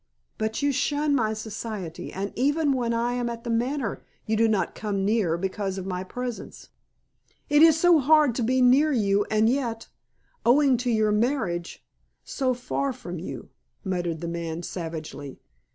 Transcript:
But you shun my society, and even when I am at The Manor, you do not come near because of my presence." "It is so hard to be near you and yet, owing to your marriage, so far from you," muttered the man savagely.